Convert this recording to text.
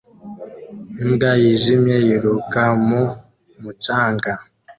Imbwa yijimye yiruka mu mucanga